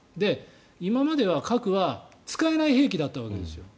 今までは核は使えない兵器だったわけですよ。